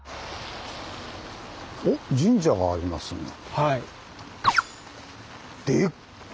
はい。